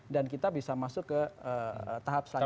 dan kita bisa masuk ke tahap selanjutnya